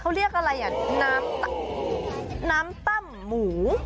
เขาเรียกอะไรอ่ะน้ำตั้มหมู